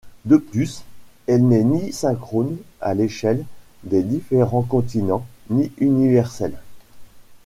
De plus, elle n’est ni synchrone à l’échelle des différents continents, ni universelle.